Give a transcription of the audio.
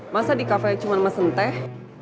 masa di kafe cuma mesen teh